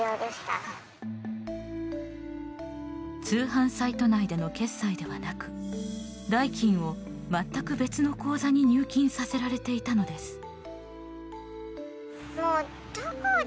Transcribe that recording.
通販サイト内での決済ではなく代金を全く別の口座に入金させられていたのです。